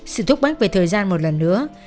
sự thúc bách về thời gian một lần nữa